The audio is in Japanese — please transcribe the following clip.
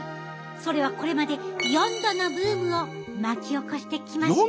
それはこれまで４度のブームを巻き起こしてきました。